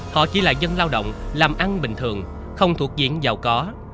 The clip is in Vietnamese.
họ chỉ là dân lao động làm ăn bình thường không thuộc diện giàu có